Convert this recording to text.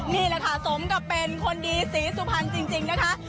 นี่แหละค่ะสมกับเป็นคนดีศรีสุพรรณจริงนะคะ